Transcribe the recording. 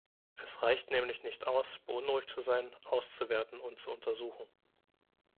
Es reicht nämlich nicht aus, beunruhigt zu sein, auszuwerten und zu untersuchen.